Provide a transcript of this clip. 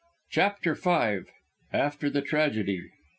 CHAPTER V. AFTER THE TRAGEDY.